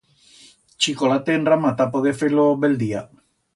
Chicolate en rama ta poder fer-lo bel día.